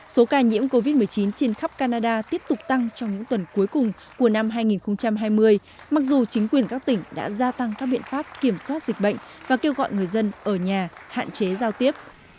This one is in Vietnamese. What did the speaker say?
số ca nhiễm covid một mươi chín trên khắp canada tiếp tục tăng trong những tuần cuối cùng của năm hai nghìn hai mươi mặc dù chính quyền các tỉnh đã gia tăng các biện pháp kiểm soát dịch bệnh và kêu gọi người dân ở nhà hạn chế giao tiếp